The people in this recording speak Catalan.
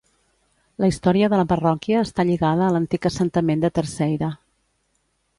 La història de la parròquia està lligada a l'antic assentament de Terceira.